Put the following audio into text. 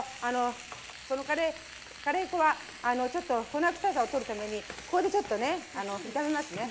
カレー粉はちょっと粉臭さを取るためにここでちょっとね炒めますね。